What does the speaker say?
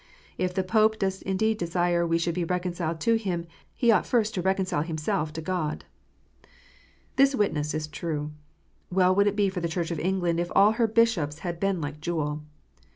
If the Pope does indeed desire we should be reconciled to him, he ought first to reconcile himself to God." This witness is true ! Well would it be for the Church of England, if all her bishops had been like Jewel